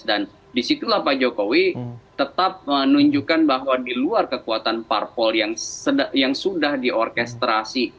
dan disitulah pak jokowi tetap menunjukkan bahwa di luar kekuatan parpol yang sudah diorkestrasi